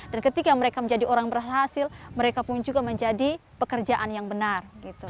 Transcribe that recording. dan ketika mereka menjadi orang berhasil mereka pun juga menjadi pekerjaan yang benar